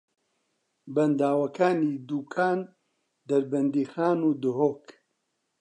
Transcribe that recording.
بەنداوەکانی دووکان، دەربەندیخان و دهۆک